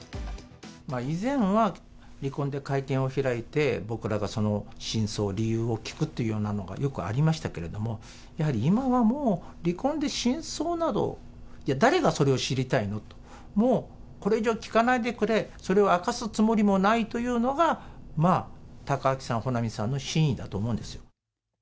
以前は離婚で会見を開いて、僕らがその真相、理由を聞くというのがよくありましたけれども、やはり今はもう、離婚で真相など、誰がそれを知りたいの？と、もうこれ以上聞かないでくれ、それを明かすつもりもないというのが、まあ、貴明さん、保奈美さんの真意だと思うんですよ。